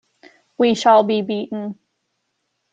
We shall be beaten.